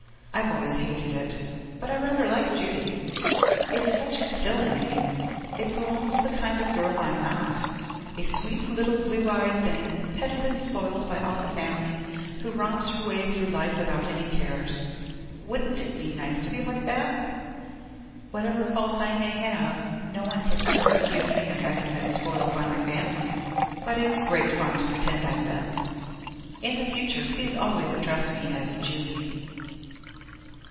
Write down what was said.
I've always hated it; but I rather like Judy. It's such a silly name. It belongs to the kind of girl I'm not a sweet little blue eyed thing, petted and spoiled by all the family, who romps her way through life without any cares. Wouldn't it be nice to be like that? Whatever faults I may have, no one can ever accuse me of having been spoiled by my family! But it's great fun to pretend I've been. In the future please always address me as Judy.